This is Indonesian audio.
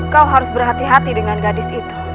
kau harus berhati hati dengan gadis itu